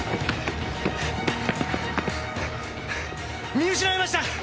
見失いました！